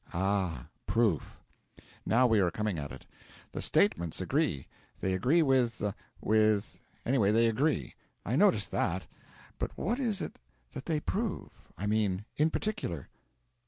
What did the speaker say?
'Ah proof. Now we are coming at it. The statements agree; they agree with with anyway, they agree; I noticed that; but what is it they prove I mean, in particular?'